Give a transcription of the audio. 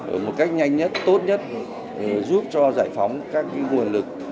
ở một cách nhanh nhất tốt nhất giúp cho giải phóng các nguồn lực